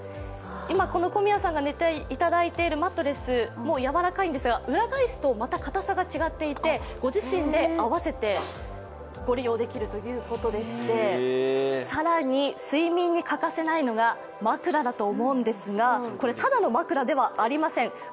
今、小宮さんが寝ていただいているマットレスもやわらかいんですが裏返すと、また硬さが違っていてご自身に合わせてご利用できるということでして、更に睡眠に欠かせないのが枕だと思うんですが、ただの枕ではありません。